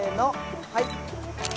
はい！